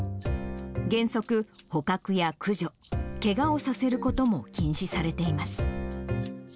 原則、捕獲や駆除、けがをさせることも禁止されています。